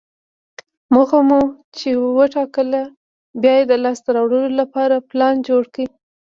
موخه مو چې وټاکله، بیا یې د لاسته راوړلو لپاره پلان جوړ کړئ.